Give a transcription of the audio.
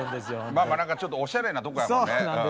まあ何かちょっとおしゃれなとこやもんね。